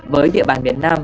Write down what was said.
với địa bàn việt nam